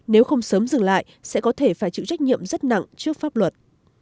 nếu không sớm dừng lại sẽ có thể phải chịu trách nhiệm rất nặng trước pháp luật